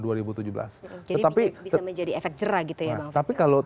jadi bisa menjadi efek jerah gitu ya bang frits